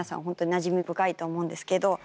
ほんとになじみ深いと思うんですけど。